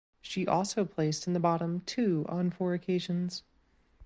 She also placed in the bottom two on four occasions.